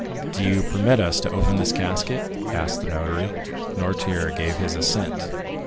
"Do you permit us to open this casket?" asked the notary. Noirtier gave his assent.